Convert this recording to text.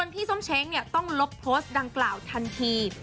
ต้องลบโพสต์ดังกล่าวทันที